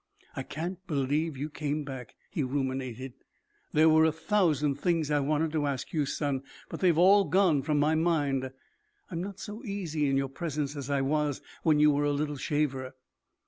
"I can't believe you came back." He ruminated. "There were a thousand things I wanted to ask you, son but they've all gone from my mind. I'm not so easy in your presence as I was when you were a little shaver."